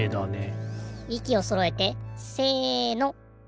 いきをそろえてせの。